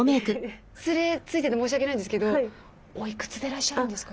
失礼ついでで申し訳ないんですけどおいくつでいらっしゃるんですか？